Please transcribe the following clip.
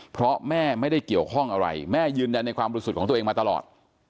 เพราะแม่ไม่ได้เกี่ยวข้องอะไรแม่ยืนยันในความรู้สึกของตัวเองมาตลอด